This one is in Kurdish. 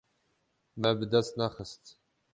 Me bi dest nexist.